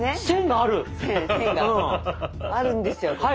線があるんですよ